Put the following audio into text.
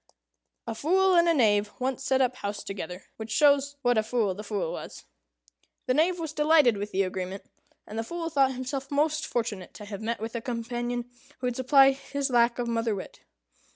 A Fool and a Knave once set up house together; which shows what a fool the Fool was. The Knave was delighted with the agreement; and the Fool thought himself most fortunate to have met with a companion who would supply his lack of mother wit.